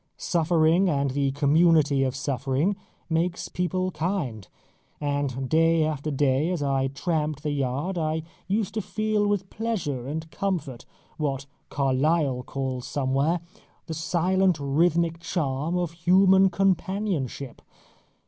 Suffering and the community of suffering makes people kind, and day after day as I tramped the yard I used to feel with pleasure and comfort what Carlyle calls somewhere "the silent rhythmic charm of human companionship."